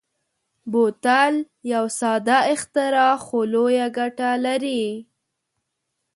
بوتل یو ساده اختراع خو لویه ګټه لري.